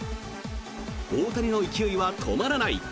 大谷の勢いは止まらない。